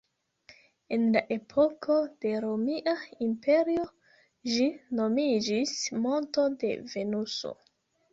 En la epoko de Romia Imperio ĝi nomiĝis Monto de Venuso.